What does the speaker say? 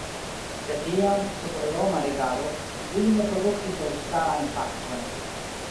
De tiam, sub roma regado, ili ne produktis elstarajn faktojn.